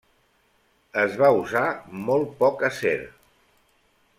Es va usar molt poc acer.